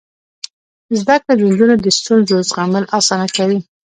زده کړه د نجونو د ستونزو زغمل اسانه کوي.